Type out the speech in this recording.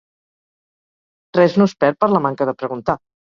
Res no es perd per la manca de preguntar